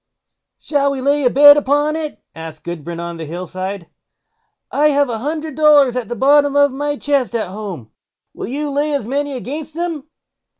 "Shall we lay a bet upon it?" asked Gudbrand on the Hill side. "I have a hundred dollars at the bottom of my chest at home; will you lay as many against them?"